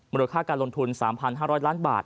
มูลค่าการลงทุน๓๕๐๐ล้านบาท